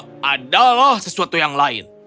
itu adalah sesuatu yang lain